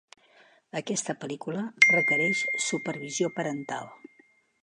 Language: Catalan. Aquesta pel·lícula requereix supervisió parental.